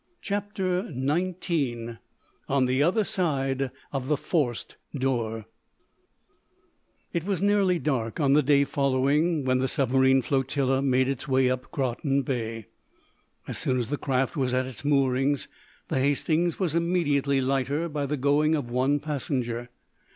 CHAPTER XIX ON THE OTHER SIDE OF THE FORCED DOOR It was nearly dark, on the day following, when the submarine flotilla made its way up Groton Bay. As soon as the craft was at its moorings the "Hastings" was immediately lighter by the going of one passenger.